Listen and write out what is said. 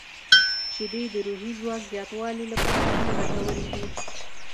• شیدې د روحي ځواک زیاتولو لپاره هم ګټورې دي.